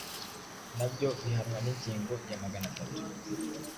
nabyo bihanwa n’ingingo ya magana tatu